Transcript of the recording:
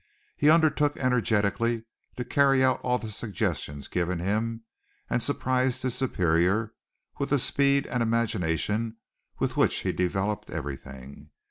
He undertook energetically to carry out all the suggestions given him, and surprised his superior with the speed and imagination with which he developed everything.